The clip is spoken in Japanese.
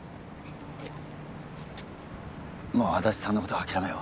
もう安達さんのことは諦めよう